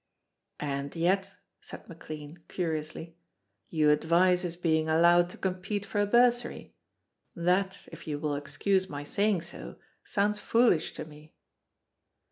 "And yet," said McLean, curiously, "you advise his being allowed to compete for a bursary. That, if you will excuse my saying so, sounds foolish to me."